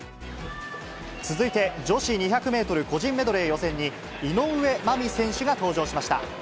続いて、女子２００メートル個人メドレー予選に、井上舞美選手が登場しました。